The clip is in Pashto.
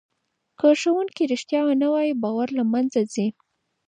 که ښوونکی رښتیا ونه وایي باور له منځه ځي.